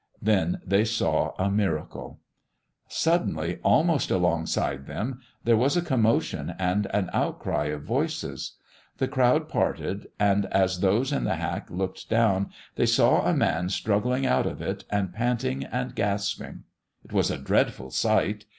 Then they saw a miracle. Suddenly, almost alongside them, there was a commotion and an outcry of voices. The crowd parted, and as those in the hack looked down, they saw a man struggling out of it and panting and gasping. It was a dreadful sight.